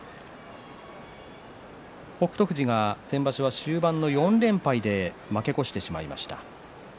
富士が先場所は終盤の４連敗で負け越してしまいました。